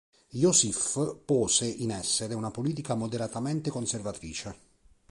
Iosif pose in essere una politica moderatamente conservatrice.